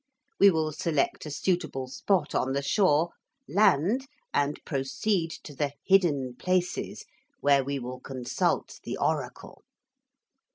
We will select a suitable spot on the shore, land and proceed to the Hidden Places, where we will consult the oracle.